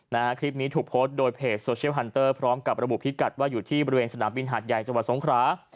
นะฮะคลิปนี้ถูกโพสต์โดยเพจโซเชียลฮันเตอร์พร้อมกับระบุพิกัดว่าอยู่ที่บริเวณสนามบินหาดใหญ่จังหวัดสงครา